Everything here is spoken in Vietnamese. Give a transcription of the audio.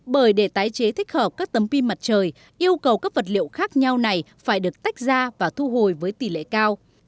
bởi để tái chế thích hợp các tấm pin mặt trời yêu cầu các vật liệu khác nhau này phải được tách ra và thu hồi với tỷ lệ cao